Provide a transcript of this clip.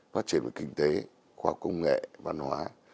phát triển về kinh tế qua công nghệ văn hóa